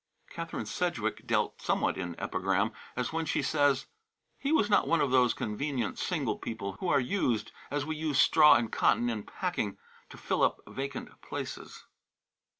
Catharine Sedgwick dealt somewhat in epigram, as when she says: "He was not one of those convenient single people who are used, as we use straw and cotton in packing, to fill up vacant places."